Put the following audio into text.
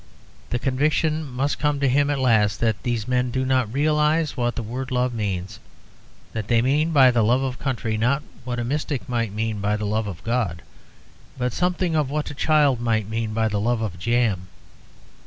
The conviction must come to him at last that these men do not realize what the word 'love' means, that they mean by the love of country, not what a mystic might mean by the love of God, but something of what a child might mean by the love of jam.